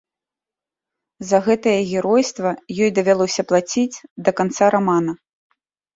За гэтае геройства ёй давялося плаціць да канца рамана.